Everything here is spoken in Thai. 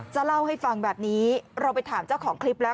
จะเล่าให้ฟังแบบนี้เราไปถามเจ้าของคลิปแล้ว